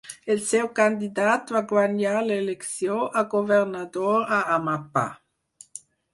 El seu candidat va guanyar l'elecció a governador a Amapá.